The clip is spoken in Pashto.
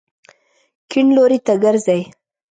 کیڼ لوري ته ګرځئ